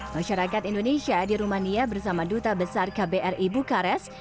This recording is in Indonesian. masyarakat indonesia di rumania bersama duta besar kbri bukares